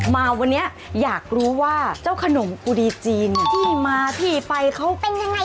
มาวันนี้อยากรู้ว่าเจ้าขนมกุดีจีนที่มาที่ไปเขาเป็นยังไง